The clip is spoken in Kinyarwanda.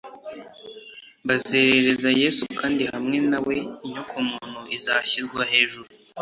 . Bazerereza Yesu, kandi hamwe na we inyokomuntu izashyirwa hejuru.